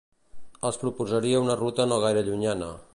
els proposaria una ruta no gaire llunyana